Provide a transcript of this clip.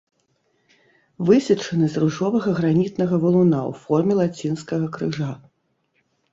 Высечаны з ружовага гранітнага валуна ў форме лацінскага крыжа.